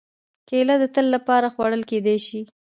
کېله د تل لپاره خوړل کېدای شي.